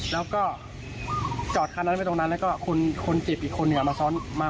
แล้วก็จอดคันนั้นไว้ตรงนั้นแล้วก็คนเจ็บอีกคนเนี่ยมาซ้อนมา